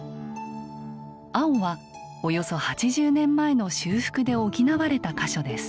青はおよそ８０年前の修復で補われた箇所です。